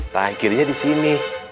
tangan kirinya disini